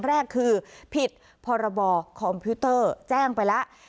แรกคือผิดพรบคอมพิวเตอร์แจ้งไปแล้ว